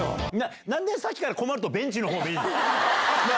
なんでさっきから困るとベンチのほう見るの？